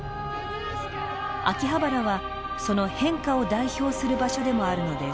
秋葉原はその変化を代表する場所でもあるのです。